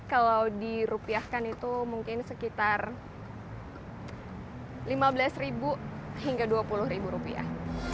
kalau dirupiahkan itu mungkin sekitar lima belas ribu hingga dua puluh rupiah